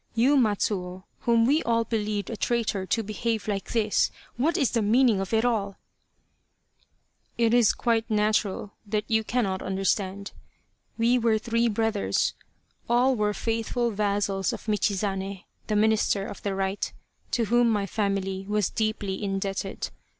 You Matsuo, whom we all believed a traitor to behave like this ! What is the meaning of it all ?"" It is quite natural that you cannot understand. We were three brothers. All were faithful vassals of Michizane, the Minister of the Right, to whom my family was deeply indebted.